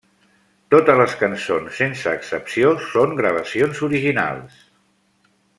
Totes les cançons sense excepció són gravacions originals.